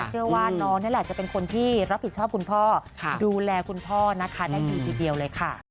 เชื่อว่าน้องนี่แหละจะเป็นคนที่รับผิดชอบคุณพ่อดูแลคุณพ่อนะคะได้ดีทีเดียวเลยค่ะ